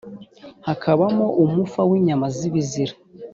hakabamo umufa w inyama z ibizira